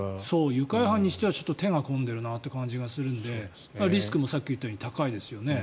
愉快犯にしては手が込んでるなという感じがするのでリスクもさっき言ったように高いですよね。